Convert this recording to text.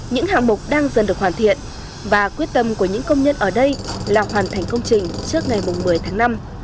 những hạng mục đang dần được hoàn thiện và quyết tâm của những công nhân ở đây là hoàn thành công trình trước ngày một mươi tháng năm